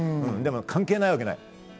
関係ないわけない。